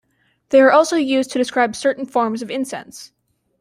They are also used to describe certain forms of incense.